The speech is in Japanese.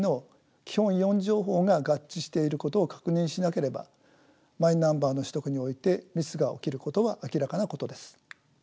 ４情報が合致していることを確認しなければマイナンバーの取得においてミスが起きることは明らかなことです。